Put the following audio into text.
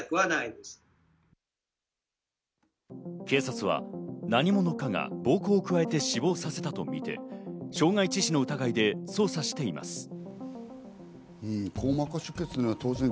警察は何者かが暴行を加えて死亡させたとみて、傷害致死の疑いで捜査しています。